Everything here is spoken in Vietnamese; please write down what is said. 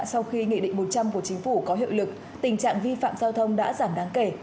sau khi nghị định một trăm linh của chính phủ có hiệu lực tình trạng vi phạm giao thông đã giảm đáng kể